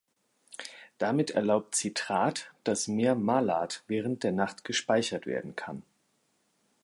Damit erlaubt Citrat, dass mehr Malat während der Nacht gespeichert werden kann.